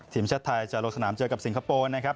ทีมชาติไทยจะลงสนามเจอกับสิงคโปร์นะครับ